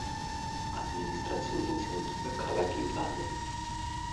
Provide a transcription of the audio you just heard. ადმინისტრაციული ცენტრია ქალაქი გალე.